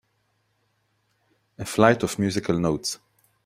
A flight of musical notes.